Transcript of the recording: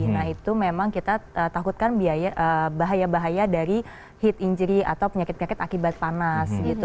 nah itu memang kita takutkan bahaya bahaya dari heat injury atau penyakit penyakit akibat panas gitu